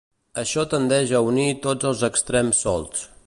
Això tendeix a unir tots els extrems solts.